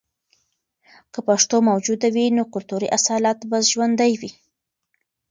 که پښتو موجوده وي، نو کلتوري اصالت به ژوندۍ وي.